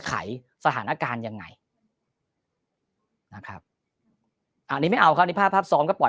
ไขสถานการณ์ยังไงอันนี้ไม่เอาเขาใบภาพทรองก็ปล่อย